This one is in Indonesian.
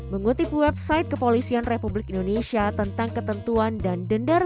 mengutip website kepolisian republik indonesia tentang ketentuan dan dendar